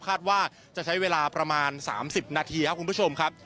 คาดว่าจะใช้เวลาประมาณ๓๐นาทีครับคุณผู้ชมครับ